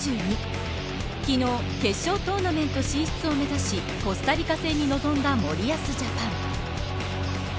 昨日、決勝トーナメント進出を目指しコスタリカ戦に臨んだ森保ジャパン。